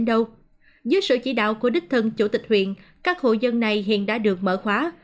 dưới sự chỉ đạo của đích thân chủ tịch huyện các hộ dân này hiện đã được mở khóa